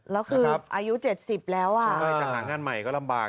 แล้วคืออายุ๗๐แล้วจะหางานใหม่ก็ลำบาก